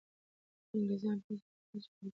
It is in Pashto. انګریزان په زړورتیا جنګېدلي دي.